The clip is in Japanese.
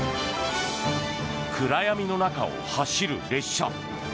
暗闇の中を走る列車。